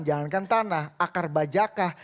jangankan tanah akar bajakah